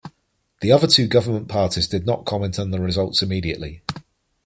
The other two government parties did not comment on the results immediately.